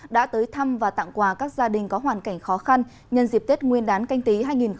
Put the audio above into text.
đã tới thăm và tặng quà các gia đình có hoàn cảnh khó khăn nhân dịp tết nguyên đán canh tí hai nghìn hai mươi